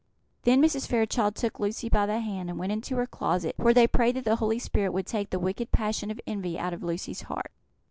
Then Mrs. Fairchild took Lucy by the hand, and went into her closet, where they prayed that the Holy Spirit would take the wicked passion of envy out of Lucy's heart.